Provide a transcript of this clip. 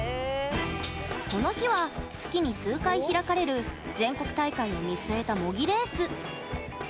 この日は、月に数回開かれる全国大会を見据えた模擬レース。